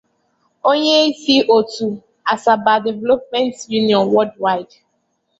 onyeisi òtù 'Asaba Development Union Worldwide'